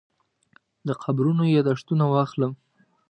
د قبرونو یاداښتونه واخلم.